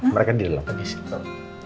mereka di dalam kegisi tuh